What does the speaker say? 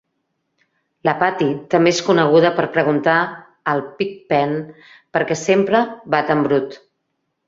La Patty també és coneguda per preguntar al Pig-Pen per què sempre va tan brut.